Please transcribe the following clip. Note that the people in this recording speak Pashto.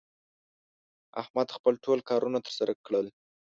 احمد خپل ټول کارونه تر سره کړل